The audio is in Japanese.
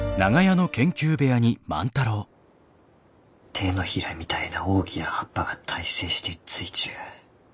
手のひらみたいな大きな葉っぱが対生してついちゅう。